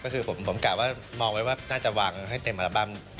ก็คือผมกะว่ามองไว้ว่าน่าจะวางให้เต็มอัลบั้ม